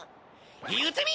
言うてみ！